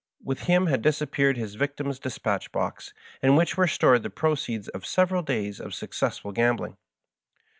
With him had disappeared his victim's dispatch box, in which were stored the proceeds of several days of successful gambling.